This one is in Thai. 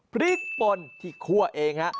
พริกป่นที่คั่วเองฮะ